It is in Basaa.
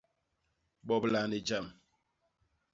Bobla ni jam.